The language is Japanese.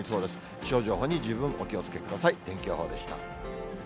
気象情報に十分お気をつけください。